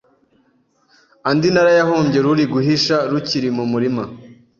andi narayahombye ruri guhisha rukiri mu murima.